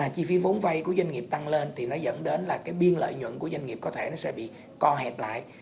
chi phí vốn vay của doanh nghiệp tăng lên thì nó dẫn đến là cái biên lợi nhuận của doanh nghiệp có thể nó sẽ bị co hẹp lại